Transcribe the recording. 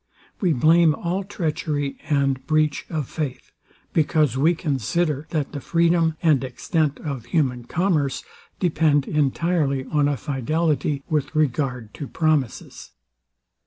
We blame all treachery and breach of faith; because we consider, that the freedom and extent of human commerce depend entirely on a fidelity with regard to promises.